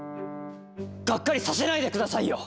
がっかりさせないでくださいよ！